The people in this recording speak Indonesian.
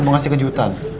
mau ngasih kejutan